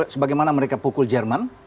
sebagaimana mereka pukul jerman